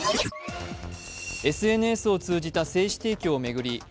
ＳＮＳを通じた精子提供を巡り